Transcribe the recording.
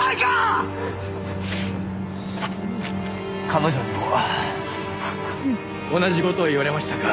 彼女にも同じ事を言われましたか？